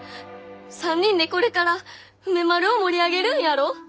３人でこれから梅丸を盛り上げるんやろ！